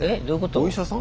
お医者さん？